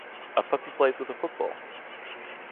A puppy plays with a football.